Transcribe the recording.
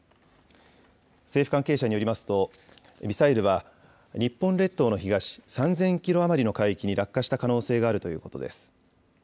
政府関係者によりますと、ミサイルは日本列島の東３０００キロ余りの海域に落下した可能性があるということです。